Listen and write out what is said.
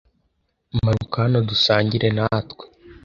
Manuka hano dusangire natwe.